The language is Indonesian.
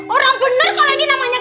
orang bener kalau ini namanya